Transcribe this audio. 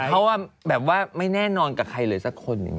แต่เขาแบบว่าไม่แน่นอนกับใครเลยสักคน